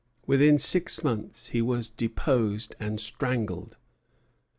Within six months he was deposed and strangled.